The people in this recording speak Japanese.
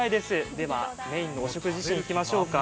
ではメインのお食事シーンいきましょうか。